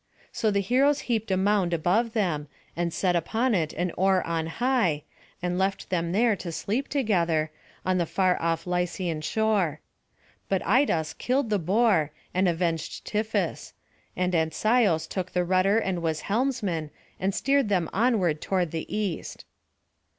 So the heroes heaped a mound above them, and set upon it an oar on high, and left them there to sleep together, on the far off Lycian shore. But Idas killed the boar, and avenged Tiphys; and Ancaios took the rudder and was helmsman, and steered them on toward the east.